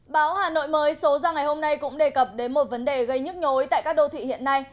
báo hà nội mới số ra ngày hôm nay cũng đề cập đến một vấn đề gây nhức nhối tại các đô thị hiện nay